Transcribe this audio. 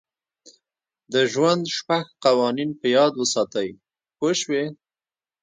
د ژوند شپږ قوانین په یاد وساتئ پوه شوې!.